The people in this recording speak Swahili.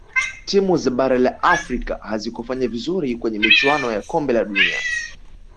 timu za bara la afrika hazikufanya vizuri kwenye michuano ya kombe la dunia